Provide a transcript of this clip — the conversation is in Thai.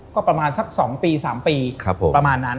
ก็ประมาณสัก๒ปี๓ปีประมาณนั้น